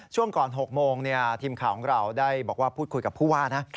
ช่วงก่อน๖โมงทีมข่าวของเราได้บอกว่าพูดคุยกับผู้ว่านะ